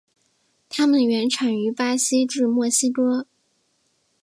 它们原产于巴西至墨西哥。